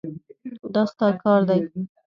دا ستا کار دی.